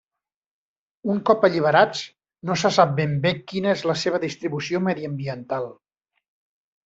Un cop alliberats, no se sap ben bé quina és la seva distribució mediambiental.